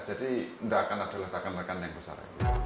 jadi nggak akan ada ledakan ledakan yang besar